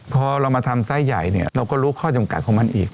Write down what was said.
พอเรามาทำไซส์ใหญ่เนี่ยเราก็รู้ข้อจำกัดของมันอีก